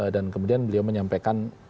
dan kemudian beliau menyampaikan